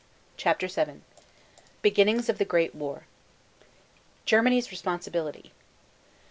CHAPTER VII THE BEGINNINGS OF THE GREAT WAR GERMANY'S RESPONSIBILITY.